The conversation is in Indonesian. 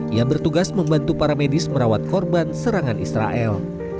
ia bertugas membantu para medis merawat korban serangan israel